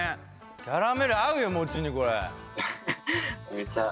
キャラメル合うよ餅にこれ。